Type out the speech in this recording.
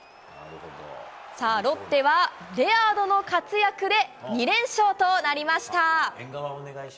ロッテはレアードの活躍で２連勝となりました。